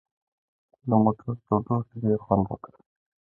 د موټر تودوخې ډېر خوند وکړ.